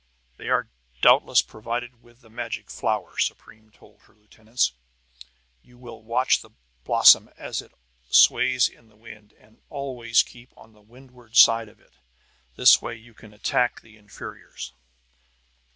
"They are doubtless provided with the magic flower," Supreme told her lieutenants. "You will watch the blossom as it sways in the wind, and keep always on the windward side of it. In this way you can attack the inferiors."